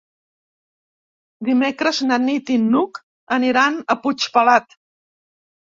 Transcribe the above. Dimecres na Nit i n'Hug aniran a Puigpelat.